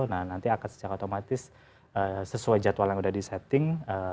nah nanti akan secara otomatis sesuai jadwal yang sudah di setting